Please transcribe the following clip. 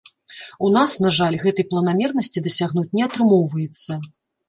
У нас, на жаль, гэтай планамернасці дасягнуць не атрымоўваецца.